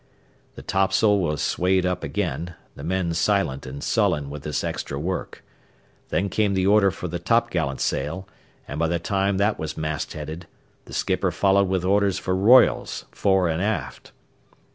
The topsail was swayed up again, the men silent and sullen with this extra work. Then came the order for the t'gallantsail, and by the time that was mastheaded, the skipper followed with orders for royals, fore and aft.